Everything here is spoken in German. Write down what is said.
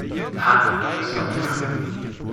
Ha, das war die Rache!